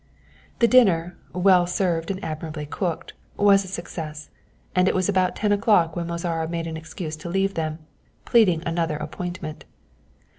The dinner, well served and admirably cooked, was a success, and it was about ten o'clock when Mozara made an excuse to leave them, pleading another appointment.